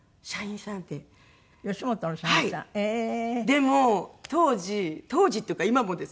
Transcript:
でも当時当時っていうか今もですけど。